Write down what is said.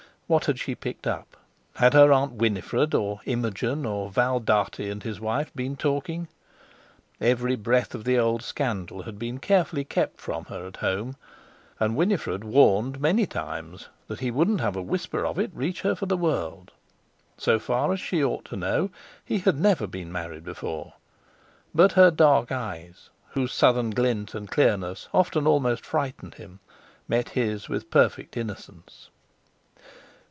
What had she picked up? Had her Aunt Winifred, or Imogen, or Val Dartie and his wife, been talking? Every breath of the old scandal had been carefully kept from her at home, and Winifred warned many times that he wouldn't have a whisper of it reach her for the world. So far as she ought to know, he had never been married before. But her dark eyes, whose southern glint and clearness often almost frightened him, met his with perfect innocence.